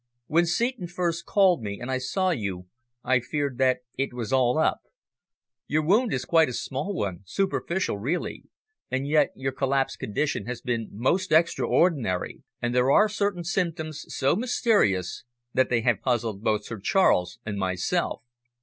When Seton first called me and I saw you I feared that it was all up. Your wound is quite a small one, superficial really, and yet your collapsed condition has been most extraordinary, and there are certain symptoms so mysterious that they have puzzled both Sir Charles and myself."